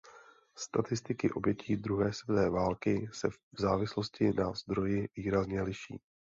Statistiky obětí druhé světové války se v závislosti na zdroji výrazně liší.